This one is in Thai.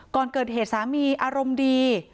ก่อนเกิดเหตุสามีอารมณ์ดี